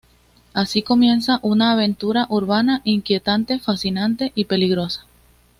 Así comienza una aventura urbana inquietante, fascinante y peligrosa.